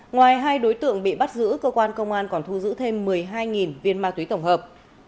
ngoài hai đối tượng bị bắt giữ cơ quan công an còn thu giữ thêm một mươi hai viên ma túy tổng hợp